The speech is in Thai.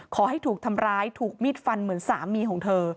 ขอให้ถูกทำร้ายถูกมีดฟันเหมือนสามีของเธอ